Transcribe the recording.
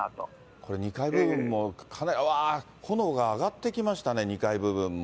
これ、２階部分もかなり、うわー、炎が上がってきましたね、２階部分も。